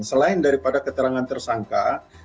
selain daripada keterangan tersangka